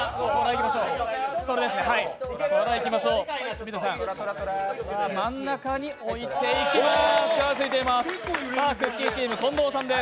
文田さん、真ん中に置いていきます